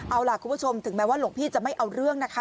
เอาล่ะคุณผู้ชมถึงแม้ว่าหลวงพี่จะไม่เอาเรื่องนะคะ